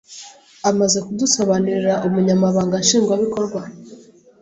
Amaze kudusobanurira, Umunyamabanga Nshingwabikorwa